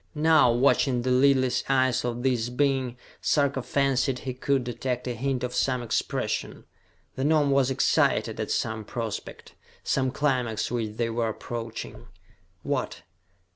Now, watching the lidless eyes of this being, Sarka fancied he could detect a hint of some expression. The Gnome was excited at some prospect, some climax which they were approaching. What?